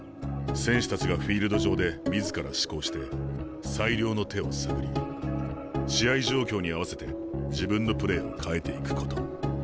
選手たちがフィールド上で自ら思考して最良の手を探り試合状況に合わせて自分のプレーを変えていくこと。